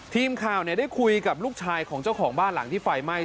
ทีมข่าวได้คุยกับลูกชายของเจ้าของบ้านหลังที่ไฟไหม้